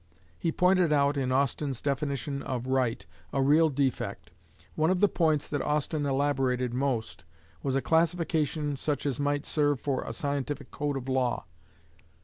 He pointed out in Austin's definition of "right" a real defect. One of the points that Austin elaborated most was a classification such as might serve for a scientific code of law.